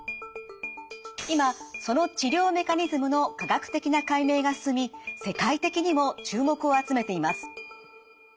今その治療メカニズムの科学的な解明が進み世界的にも注目を集めています。